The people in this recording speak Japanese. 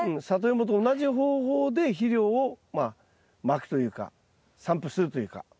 サトイモと同じ方法で肥料をまあまくというか散布するというか。